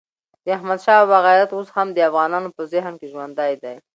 د احمدشاه بابا غیرت اوس هم د افغانانو په ذهن کې ژوندی دی.